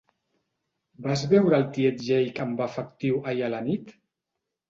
Vas veure el tiet Jake amb efectiu ahir a la nit?